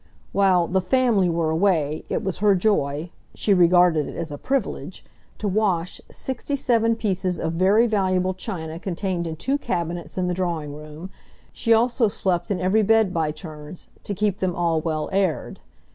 While "the family" were away it was her joy—she regarded it as a privilege—to wash sixty seven pieces of very valuable china contained in two cabinets in the drawing room; she also slept in every bed by turns, to keep them all well aired.